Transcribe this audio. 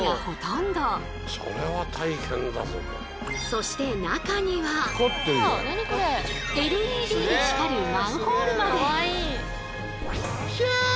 そしてＬＥＤで光るマンホールまで。